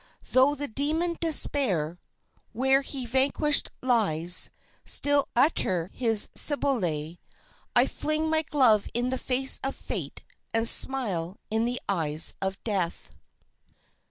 Tho' the demon Despair, where he vanquished lies, still utter his shibboleth I fling my glove in the face of Fate and smile in the eyes of Death!